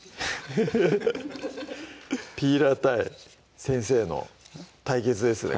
フフフピーラー対先生の対決ですね